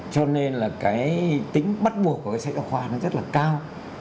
cho nên là tính bắt buộc của sách giáo khoa rất là cao